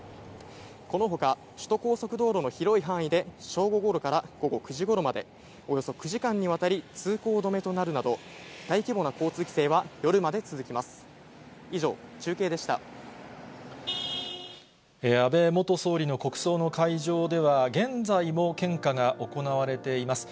このほか、首都高速道路の広い範囲で、正午ごろから午後９時ごろまで、およそ９時間にわたり通行止めとなるなど、大規模な交通規制は夜まで続きます。